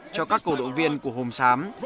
cho các cổ đội viên của hồn sám